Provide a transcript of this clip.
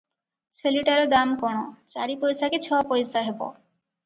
"ଛେଳିଟାର ଦାମ କଣ ଚାରି ପଇସା କି ଛଅ ପଇସା ହେବ ।"